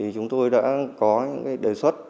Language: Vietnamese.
chúng tôi đã có đề xuất